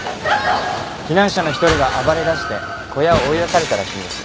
避難者の一人が暴れ出して小屋を追い出されたらしいんです。